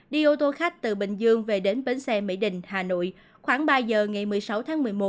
đi ô tô khách từ bình dương về đến bến xe mỹ đình hà nội khoảng ba giờ ngày một mươi sáu tháng một mươi một